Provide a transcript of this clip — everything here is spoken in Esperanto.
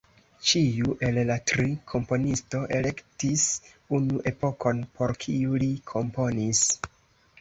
Ĉiu el la tri komponisto elektis unu epokon, por kiu li komponis.